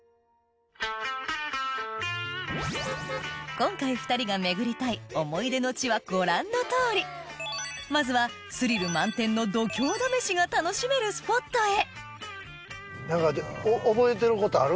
今回２人が巡りたい想い出の地はご覧のとおりまずはスリル満点の度胸試しが楽しめるスポットへ何かでも覚えてることある？